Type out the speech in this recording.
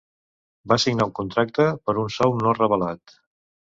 Va signar un contracte per un sou no revelat.